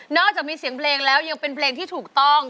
อกจากมีเสียงเพลงแล้วยังเป็นเพลงที่ถูกต้อง